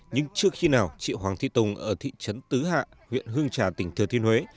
nhưng trước khi nào chị hoàng thị tùng ở thị trấn tứ hạ huyện hương trà tỉnh thừa thiên huế